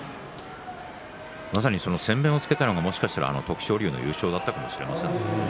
まさに先べんをつけたのが徳勝龍の優勝だったかもしれませんね。